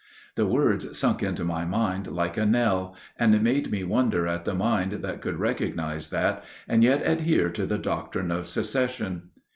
The words sunk into my mind like a knell, and made me wonder at the mind that could recognize that and yet adhere to the doctrine of secession.